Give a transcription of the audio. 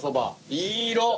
いい色！